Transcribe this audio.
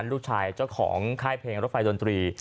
ลูกชายเจ้าของค่ายเพลงรถไฟดนตรี